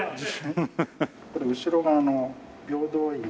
これ後ろ側の平等院の。